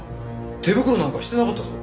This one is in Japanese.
手袋なんかしてなかったぞ。